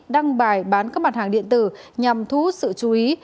đăng bài bán các mặt hàng điện tử nhằm thú sự chú ý